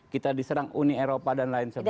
kita diserang uni eropa dan lain sebagainya